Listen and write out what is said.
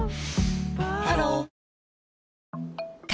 ハロー風